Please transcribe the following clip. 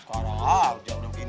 sekarang gua laporan dulu ke boy